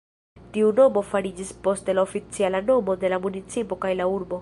Tiu nomo fariĝis poste la oficiala nomo de la municipo kaj la urbo.